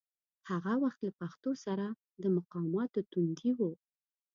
هغه وخت له پښتو سره د مقاماتو تندي و.